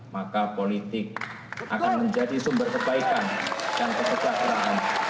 maka politik akan menjadi sumber kebaikan dan kepecahan